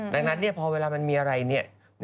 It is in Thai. ดังนั้นพอเวลามันมีอะไรเนี่ย